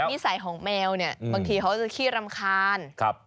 เพราะมิสัยของแมวเนี่ยบางทีเขาเค้าจะขี้รำคาญ